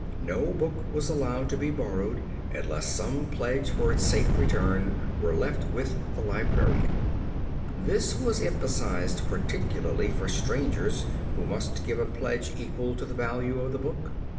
No book was allowed to be borrowed unless some pledge for its safe return were left with the librarian. This was emphasized particularly for strangers who must give a pledge equal to the value of the book.